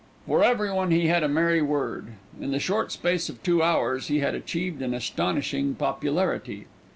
For everyone he had a merry word. In the short space of two hours he had achieved an astonishing popularity.